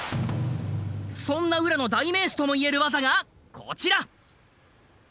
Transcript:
そんな宇良の代名詞ともいえる技がこちら。